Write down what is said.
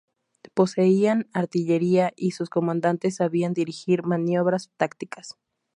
Poseían artillería y sus comandantes sabían dirigir maniobras tácticas.